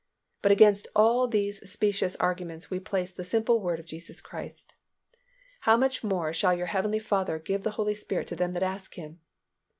But against all these specious arguments we place the simple word of Jesus Christ, "How much more shall your heavenly Father give the Holy Spirit to them that ask Him."